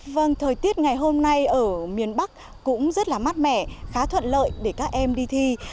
vâng thời tiết ngày hôm nay ở miền bắc cũng rất là mát mẻ khá thuận lợi để các em đi thi